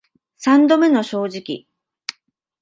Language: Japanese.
三度目の正直